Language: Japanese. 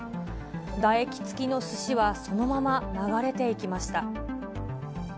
唾液つきのすしは、そのまま流れていきました。